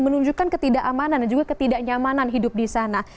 menunjukkan ketidakamanan dan juga ketidaknyamanan hidup di sana